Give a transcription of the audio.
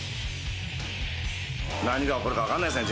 何が起こるか分かんないですね